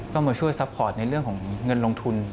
ก็มาช่วยซัพพอร์ตในเรื่องของเงินลงทุน